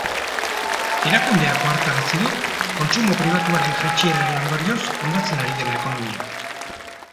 Erakundeak ohartarazi du kontsumo pribatuaren jaitsieraren ondorioz hondatzen ari dela ekonomia.